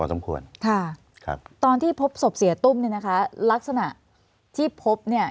สมควรค่ะครับตอนที่พบศพเสียตุ้มเนี่ยนะคะลักษณะที่พบเนี่ย